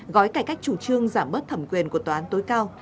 gói cải cách chủ trương giảm bớt thẩm quyền của tòa án tối cao